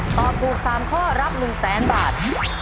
ตอบถูก๓ข้อรับ๑๐๐๐๐บาท